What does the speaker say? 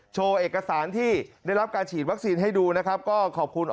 โชว์เอกสารที่ได้รับการฉีดวัคซีนให้ดูนะครับก็ขอบคุณ